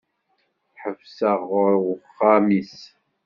Ḥebseɣ ɣur uxxam-is.